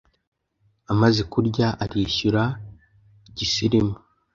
Amaze kurya arishyura gisirimu